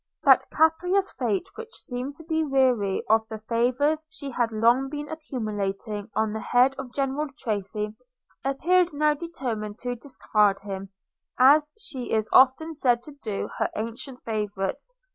That capricious fate which seemed to be weary of the favours she had long been accumulating on the head of General Tracy, appeared now determined to discard him, as she is often said to do her ancient favourites.